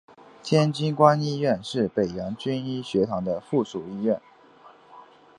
天津官医院是北洋军医学堂的附属医院。